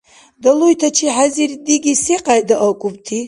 Далуйтачи хӀезир диги секьяйда акӀубти?